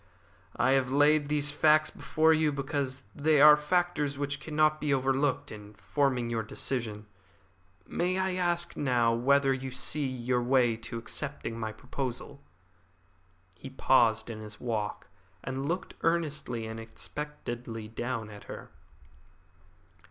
I have laid these facts before you because they are factors which cannot be overlooked in forming your decision. May I ask now whether you see your way to accepting my proposal?" He paused in his walk, and looked earnestly and expectantly down at her.